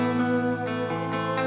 namipun quarantai ye